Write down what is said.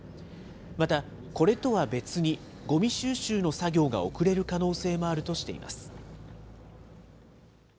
また、これとは別に、ごみ収集の作業が遅れる可能性もあるとしています。